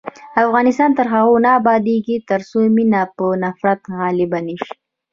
افغانستان تر هغو نه ابادیږي، ترڅو مینه پر نفرت غالبه نشي.